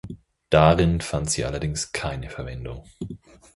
Darin fand sie allerdings keine Verwendung.